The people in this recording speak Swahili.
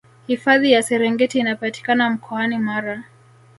hifadhi ya serengeti inapatikana mkoani mara